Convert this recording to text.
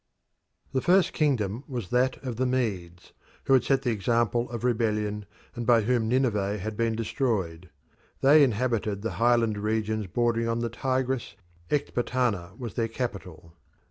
The first kingdom was that of the Medes, who had set the example of rebellion, and by whom Nineveh had been destroyed. They inhabited the highland regions bordering on the Tigris, Ecbatana was their capital.